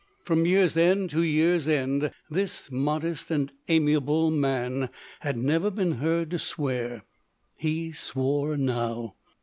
From year's end to year's end, this modest and amiable man had never been heard to swear. He swore now.